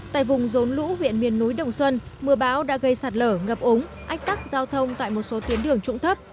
tại vùng rốn lũ huyện miền núi đồng xuân mưa bão đã gây sạt lở ngập ống ách tắc giao thông tại một số tuyến đường trụng thấp